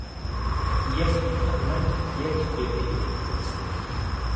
يهک محەممەد يهک بێ پیر